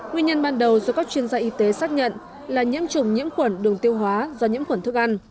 nguyên nhân ban đầu do các chuyên gia y tế xác nhận là nhiễm chủng nhiễm khuẩn đường tiêu hóa do nhiễm khuẩn thức ăn